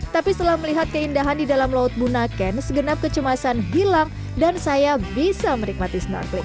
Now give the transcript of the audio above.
tapi setelah melihat keindahan di dalam laut bunaken segenap kecemasan hilang dan saya bisa menikmati snorkeling